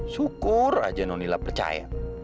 syukur aja nonila percaya